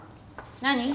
何？